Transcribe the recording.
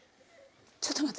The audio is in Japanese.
ちょっと待って！